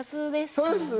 そうですね！